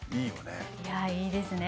いやいいですね。